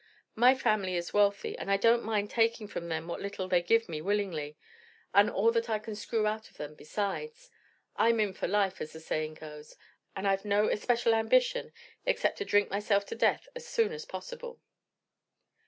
My family is wealthy, and I don't mind taking from them what little they give me willingly and all that I can screw out of them besides. I'm in for life, as the saying is, and I've no especial ambition except to drink myself to death as soon as possible."